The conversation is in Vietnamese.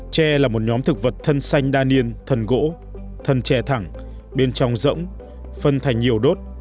tre là một nhóm thực vật thân xanh đa niên thân gỗ thân tre thẳng bên trong rỗng phân thành nhiều đốt